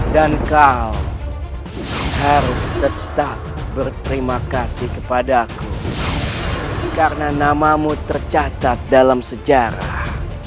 dan kau harus tetap berterima kasih kepadaku karena namamu tercatat dalam sejarah